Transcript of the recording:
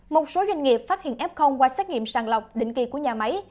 một số doanh nghiệp phát hiện f qua xét nghiệm sàng lọc định kỳ của nhà máy